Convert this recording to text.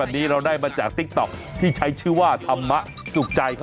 โอ้วววววโอ้ถ้าพบพ่อผิวหวบมากฮ่า